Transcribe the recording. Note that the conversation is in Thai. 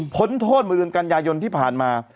พ้นโทษบริเวณกันยายนที่ผ่านมา